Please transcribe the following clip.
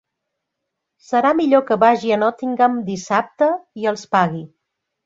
Serà millor que vagi a Nottingham dissabte i els pagui.